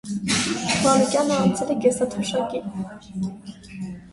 Մանուկյանը անցել է կենսաթոշակի։